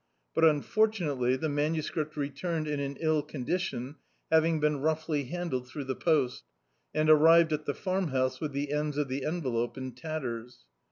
But, unfortunately, the MS. returned in an ill con* diticn, having beoi rou^ly handled through the post, and arrived at the Farmhouse with the ends of the envelope in tatters.